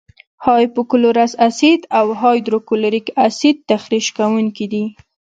هایپو کلورس اسید او هایدروکلوریک اسید تخریش کوونکي دي.